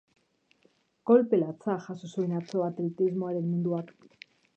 Kolpe latza jaso zuen atzo atletismoaren munduak.